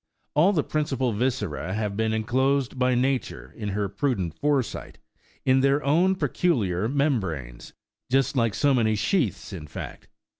All the principal viscera have been enclosed by Nature, in her prudent foresight, in their own pe culiar membranes, just like so many sheaths, in fact.